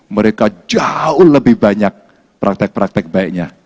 mereka jauh lebih banyak praktek praktek baiknya